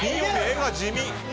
画が地味。